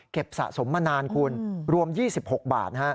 เก็บสะสมมานานรวม๒๖บาท